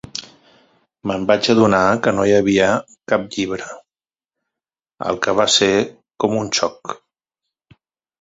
M'en vaig adonar que no havia cap llibre, el que va ser com un xoc.